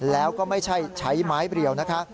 แล้วก็ไม่ใช่ใช้ไม้เรียวนะคะ